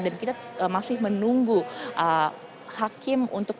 dan kita masih menunggu hakim untuk